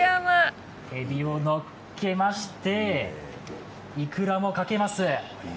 えびをのっけまして、いくらもかけます。